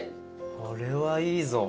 これはいいぞ。